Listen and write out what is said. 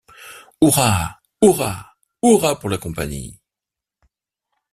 Hurrah ! hurrah ! hurrah pour la Compagnie !